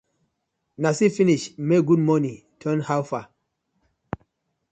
Na see finish make “good morning” turn “how far”: